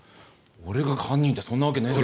俺が犯人ってそんなわけねえだろ